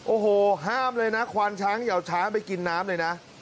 โอ้โหห้ามเลยนะควานช้างอย่าเอาช้างไปกินน้ำเลยนะ